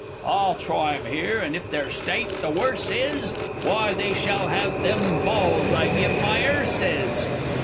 I'll try 'em here and if their state the worse is, Why, they shall have them balls I give my 'erses!